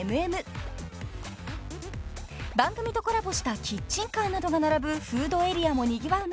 ［番組とコラボしたキッチンカーなどが並ぶフードエリアもにぎわう